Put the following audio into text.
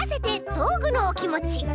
どうぐのおきもち」。